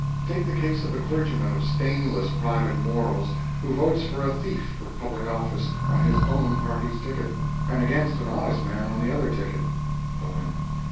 M. Take the case of a clergyman of stainless private morals who votes for a thief for public office, on his own party's ticket, and against an honest man on the other ticket. O.M.